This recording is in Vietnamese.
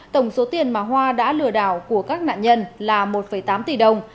tổng số tiền mà hoa đã lừa đảo của các nạn nhân là một tám tỷ đồng